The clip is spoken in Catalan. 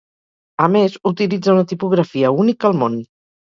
A més, utilitza una tipografia única al món.